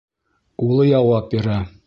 Улы яуап бирә: